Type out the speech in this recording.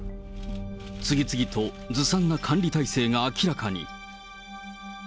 次々とずさんな管理体制が明らかに。